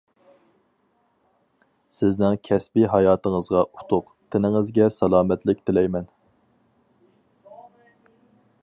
سىزنىڭ كەسپى ھاياتىڭىزغا ئۇتۇق، تېنىڭىزگە سالامەتلىك تىلەيمەن.